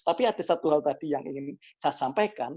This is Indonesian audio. tapi ada satu hal tadi yang ingin saya sampaikan